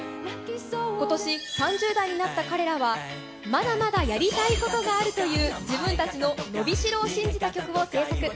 今年３０代になった彼らは、まだまだやりたいことがあるという自分たちののびしろを信じた曲を制作。